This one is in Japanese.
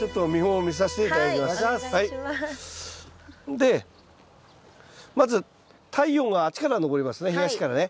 でまず太陽があっちから昇りますね東からね。